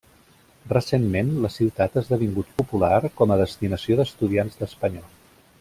Recentment, la ciutat ha esdevingut popular com a destinació d'estudiants d'espanyol.